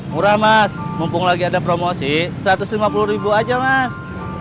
murah mas mumpung lagi ada promosi satu ratus lima puluh ribu aja mas